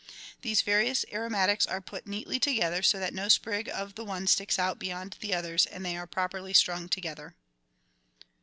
These various aromatics are put neatly together so that no sprig of the one sticks out beyond the others, and they are properly strung together.